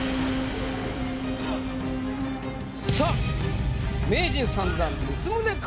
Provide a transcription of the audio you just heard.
さぁ名人３段光宗薫か？